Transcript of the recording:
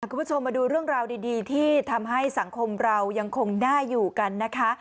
คุณผู้ชมมาดูเรื่องราวดีที่ทำให้สังคมเรายังคงน่าอยู่กันนะคะ